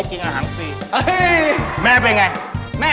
จิ๊มทียะ